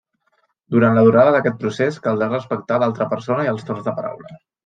Durant la durada d'aquest procés, caldrà respectar a l'altra persona i els torns de paraula.